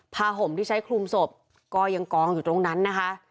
ห่มที่ใช้คลุมศพก็ยังกองอยู่ตรงนั้นนะคะ